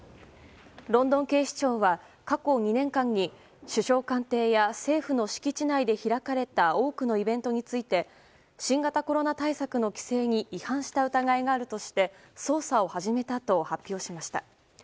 ロンドン警視庁は過去２年間に首相官邸や政府の敷地内で開かれた多くのイベントについて新型コロナ対策の規制に違反した疑いがあるとして捜査を始めたと発表しました。